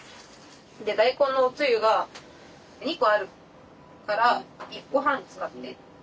大根のおつゆが２個あるから１個半使って。